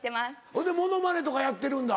ほんでモノマネとかやってるんだ。